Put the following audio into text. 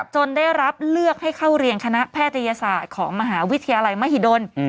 ได้รับเลือกให้เข้าเรียนคณะแพทยศาสตร์ของมหาวิทยาลัยมหิดล